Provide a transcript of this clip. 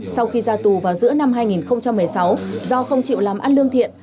sau khi ra tù vào giữa năm hai nghìn một mươi sáu do không chịu làm ăn lương thiện